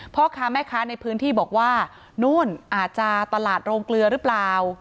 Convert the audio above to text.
พ่อค้าแม่ค้าในพื้นที่บอกว่านู่นอาจจะตลาดโรงเกลือหรือเปล่า